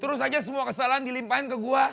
terus aja semua kesalahan dilimpahin ke gua